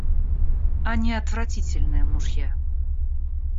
Они отвратительные мужья.